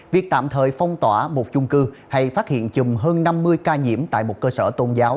việc tạm thời phong tỏa một chung cư hay phát hiện chùm hơn năm mươi ca nhiễm tại một cơ sở tôn giáo